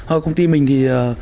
ở công ty mình thì